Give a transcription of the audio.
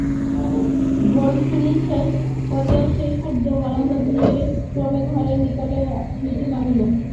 গোলসিঁড়ি শেষ করিয়া সেই শব্দ বারান্দা দিয়া ক্রমে ঘরের নিকটবর্তী হইতে লাগিল।